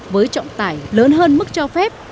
với trọng tải lớn hơn mức cho phép